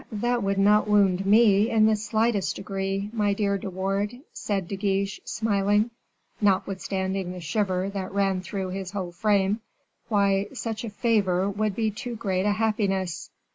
that would not wound me in the slightest degree, my dear De Wardes," said De Guiche, smiling, notwithstanding the shiver that ran through his whole frame. "Why, such a favor would be too great a happiness."